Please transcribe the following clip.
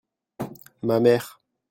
ma mère.